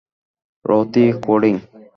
রথি, coding.